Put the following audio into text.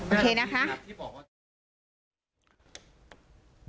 โอเคนะคะ